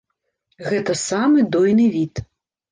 Гэта самы дойны від.